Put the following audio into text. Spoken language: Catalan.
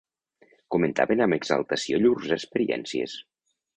Comentaven amb exaltació llurs experiències